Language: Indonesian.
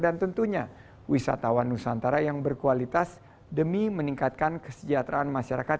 dan tentunya wisatawan nusantara yang berkualitas demi meningkatkan kesejahteraan masyarakat